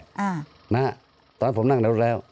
ตอนนั้นผมนั่งในรถแล้ว